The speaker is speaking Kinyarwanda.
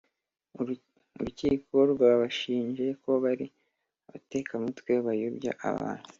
Urukiko rwabashinje ko bari abatekamutwe bayobya abantu